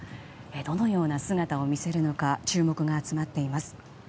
どのような姿を見せるのか注目が集まっています。